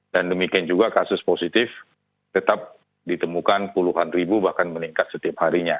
dan demikian juga kasus positif tetap ditemukan puluhan ribu bahkan meningkat setiap harinya